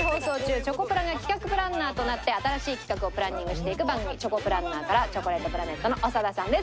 チョコプラが企画プランナーとなって新しい企画をプランニングしていく番組『チョコプランナー』からチョコレートプラネットの長田さんです。